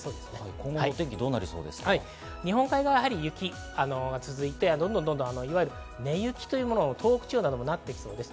今後は、日本海側は雪が続いて、どんどんと根雪というものに東北地方はなっていきそうです。